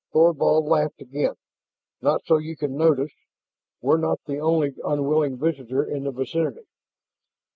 Thorvald laughed again. "Not so you can notice. We're not the only unwilling visitor in the vicinity."